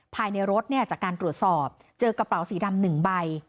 ภายในรถจากการตรวจสอบเจอกระเป๋าสีดำ๑ใบ